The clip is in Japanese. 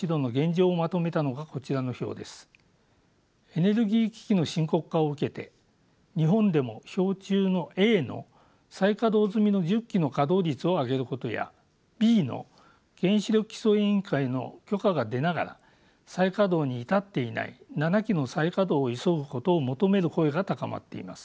エネルギー危機の深刻化を受けて日本でも表中のの再稼動済みの１０基の稼働率を上げることやの原子力規制委員会の許可が出ながら再稼働に至っていない７基の再稼動を急ぐことを求める声が高まっています。